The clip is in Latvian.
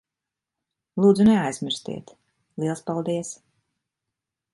Lūdzu, neaizmirstiet. Liels paldies.